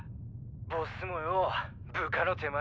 ボスもよぉ部下の手前。